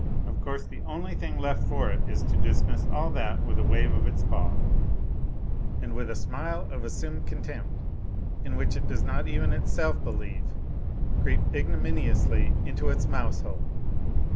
Of course the only thing left for it is to dismiss all that with a wave of its paw, and, with a smile of assumed contempt in which it does not even itself believe, creep ignominiously into its mouse hole.